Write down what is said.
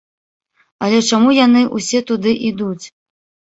Але чаму яны ўсе туды ідуць?